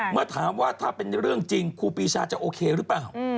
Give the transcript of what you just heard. เมื่อถามว่าถ้าเป็นเรื่องจริงครูปีชาจะโอเคหรือเปล่า